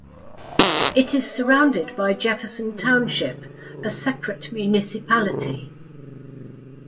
It is surrounded by Jefferson Township, a separate municipality.